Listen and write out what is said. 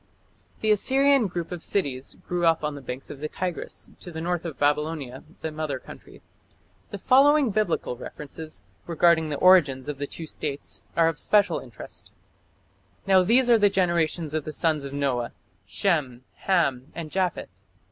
The Assyrian group of cities grew up on the banks of the Tigris to the north of Babylonia, the mother country. The following Biblical references regarding the origins of the two states are of special interest: Now these are the generations of the sons of Noah: Shem, Ham, and Japheth....